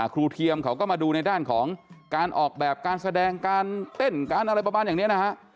เทียมเขาก็มาดูในด้านของการออกแบบการแสดงการเต้นการอะไรประมาณอย่างนี้นะฮะ